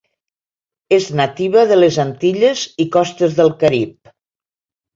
És nativa de les Antilles i costes del Carib.